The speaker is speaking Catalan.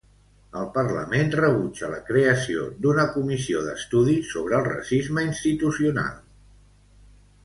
El Parlament rebutja la creació d'una comissió d'estudi sobre el racisme institucional.